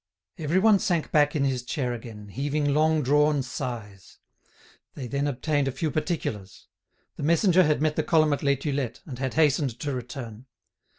Everyone sank back in his chair again, heaving long drawn sighs. They then obtained a few particulars. The messenger had met the column at Les Tulettes, and had hastened to return.